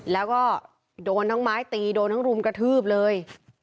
แล้วก็โดนทั้งไม้ตีโดนทั้งรุมกระทืบเลย